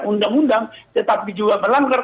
undang undang tetapi juga melanggar